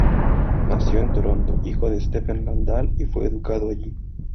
Nació en Toronto, hijo de Stephen Randall, y fue educado allí.